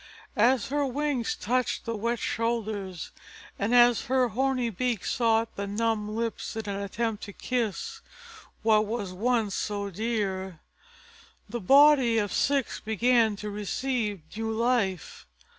As her wings touched the wet shoulders, and as her horny beak sought the dumb lips in an attempt to kiss what was once so dear, the body of Ceyx began to receive new life.